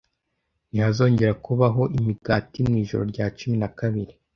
Ntihazongera kubaho imigati mu Ijoro rya cumi na kabiri